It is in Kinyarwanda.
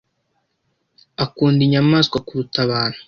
Akunda inyamaswa kuruta abantu.